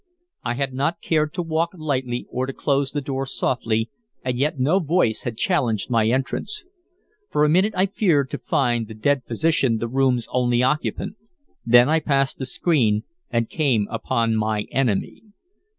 I had not cared to walk lightly or to close the door softly, and yet no voice had challenged my entrance. For a minute I feared to find the dead physician the room's only occupant; then I passed the screen and came upon my enemy.